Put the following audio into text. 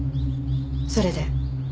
それで？